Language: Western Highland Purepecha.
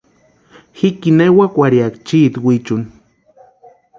Jikini ewakwarhiaka chiti wichuni.